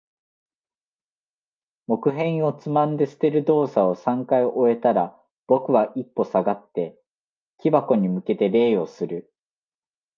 木片をつまんで捨てる動作を三回終えたら、僕は一歩下がって、木箱に向けて礼をする。